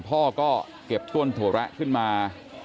พ่อก็เก็บต้นถั่วแระขึ้นมา